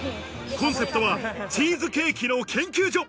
コンセプトはチーズケーキの研究所。